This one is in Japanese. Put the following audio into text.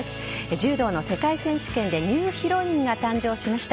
柔道の世界選手権でニューヒロインが誕生しました。